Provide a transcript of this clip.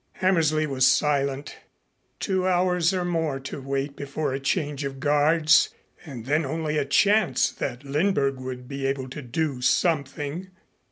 Hammersley was silent. Two hours or more to wait before a change of guards, and then only a chance that Lindberg would be able to do something.